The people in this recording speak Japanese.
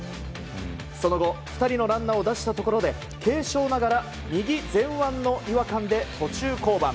その後、２人のランナーを出したところで、軽傷ながら右前腕の違和感で途中降板。